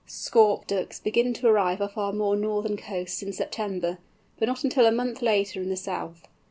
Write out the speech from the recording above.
Scaup Ducks begin to arrive off our more northern coasts in September, but not until a month later in the south.